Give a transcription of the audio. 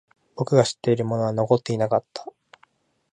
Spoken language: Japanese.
僕が知っているものは残っていなかった。